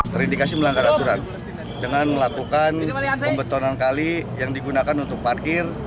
terindikasi melanggar aturan dengan melakukan pembetonan kali yang digunakan untuk parkir